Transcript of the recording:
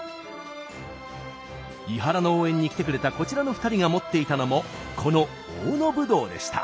伊原の応援に来てくれたこちらの２人が持っていたのもこの大野ぶどうでした。